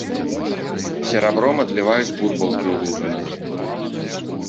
Серабром адліваюць бурбалкі ў лужынах.